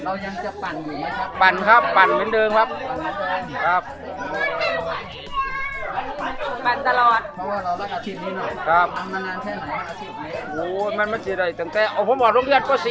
แล้วก็เรายังจะปั่นอย่างนี้นะครับ